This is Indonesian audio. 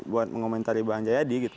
buat mengomentari bang jayadi gitu